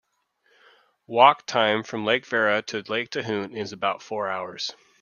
Walk time from Lake Vera to Lake Tahune is about four hours.